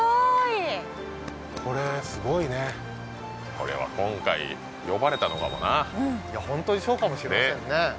これは今回呼ばれたのかもないやホントにそうかもしれませんね